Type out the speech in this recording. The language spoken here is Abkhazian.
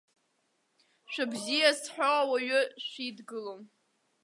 Шәыбзиа зҳәо уаҩы шәидгылом.